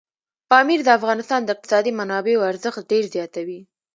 پامیر د افغانستان د اقتصادي منابعو ارزښت ډېر زیاتوي.